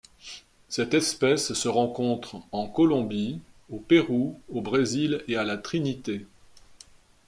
Cette espèce se rencontre en Colombie, au Pérou, au Brésil et à la Trinité.